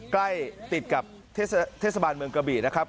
ใกล้ติดกับเทศบาลเมืองกระบี่นะครับ